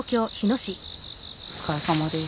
お疲れさまです。